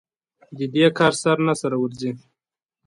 د دې کار سر نه سره ورځي.